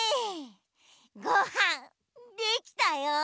ごはんできたよ。